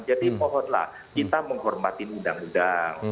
jadi mohonlah kita menghormatin undang undang